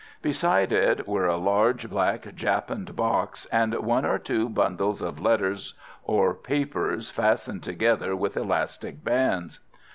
Beside it were a large black japanned box and one or two bundles of letters or papers fastened together with elastic bands.